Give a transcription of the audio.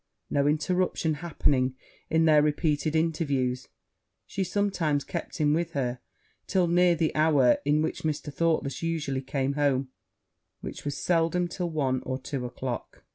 No interruption happening in their repeated interviews, she sometimes kept him with her till near the hour in which Mr. Thoughtless usually came home, which was seldom till one or two o'clock.